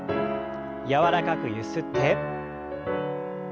柔らかくゆすって。